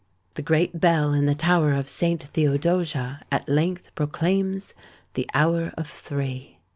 The great bell in the tower of Saint Theodosia at length proclaims the hour of three.